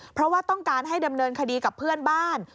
เพราะว่าต้องการให้ดำเนินคดีกับเพื่อนบ้าน